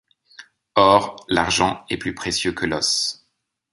Or, l’argent est plus précieux que l’os.